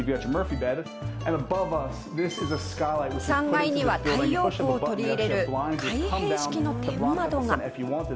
３階には太陽光を取り入れる開閉式の天窓が。